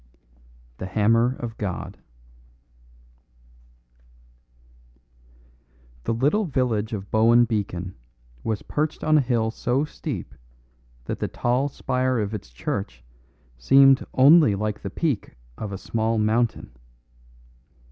The Hammer of God The little village of Bohun Beacon was perched on a hill so steep that the tall spire of its church seemed only like the peak of a small mountain.